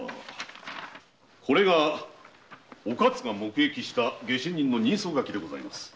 これがお勝が目撃した下手人の人相書きです。